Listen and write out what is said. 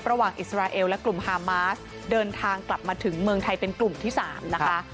อิสราเอลและกลุ่มฮามาสเดินทางกลับมาถึงเมืองไทยเป็นกลุ่มที่๓นะคะ